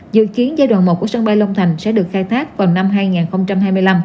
dự kiến giai đoạn một của sân bay long thành sẽ được khai thác vào năm hai nghìn hai mươi năm